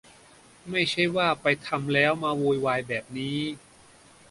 ไม่ใช่ว่าไปทำแล้วมาโวยวายแบบนี้